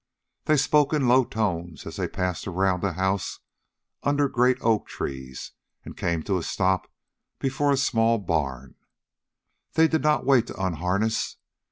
They spoke in low tones as they passed around the house under great oak trees and came to a stop before a small barn. They did not wait to unharness.